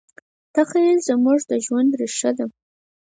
تخیل زموږ د ژوند ریښه ده.